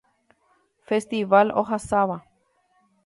Festival ohasáva.